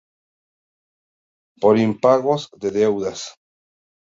Por impagos de deudas.